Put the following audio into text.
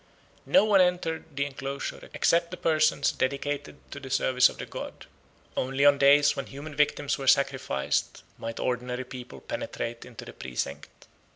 No one entered the enclosure except the persons dedicated to the service of the god; only on days when human victims were sacrificed might ordinary people penetrate into the precinct.